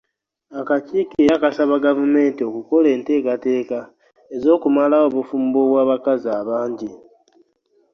Akakiiko era kasaba Gavumenti okukola enteekateeka ez’okumalawo obufumbo obw’abakazi abangi.